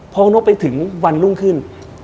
พอนกไปถึงวันรุ่งขึ้น